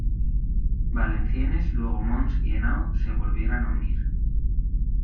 Valenciennes luego Mons y Henao se volvieran unir.